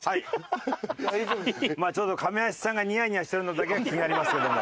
まあちょっとカメアシさんがニヤニヤしてるのだけが気になりますけども。